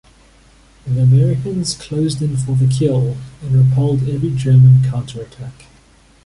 The Americans closed in for the kill, and repelled every German counter-attack.